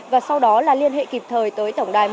và sau đó liên hệ kịp thời tới tổng đài một trăm một mươi bốn